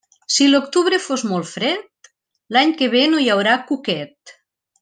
Si l'octubre fos molt fred, l'any que ve no hi haurà cuquet.